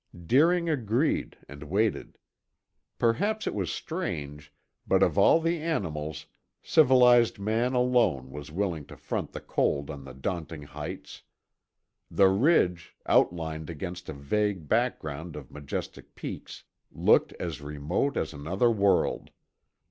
Deering agreed and waited. Perhaps it was strange, but of all the animals, civilized man alone was willing to front the cold on the daunting heights. The ridge, outlined against a vague background of majestic peaks, looked as remote as another world.